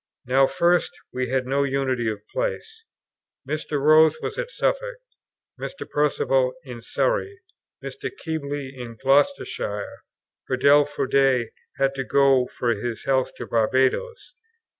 Now, first, we had no unity of place. Mr. Rose was in Suffolk, Mr. Perceval in Surrey, Mr. Keble in Gloucestershire; Hurrell Froude had to go for his health to Barbadoes.